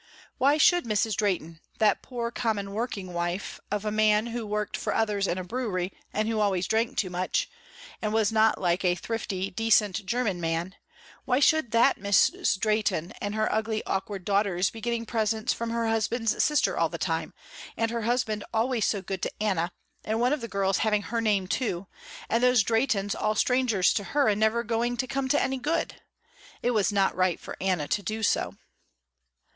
Why should Mrs. Drehten, that poor common working wife of a man who worked for others in a brewery and who always drank too much, and was not like a thrifty, decent german man, why should that Mrs. Drehten and her ugly, awkward daughters be getting presents from her husband's sister all the time, and her husband always so good to Anna, and one of the girls having her name too, and those Drehtens all strangers to her and never going to come to any good? It was not right for Anna to do so.